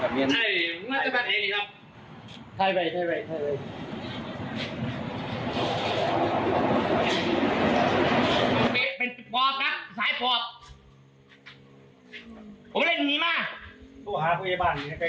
เป็นปอบครับสายปอบ